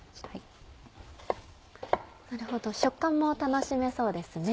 なるほど食感も楽しめそうですね。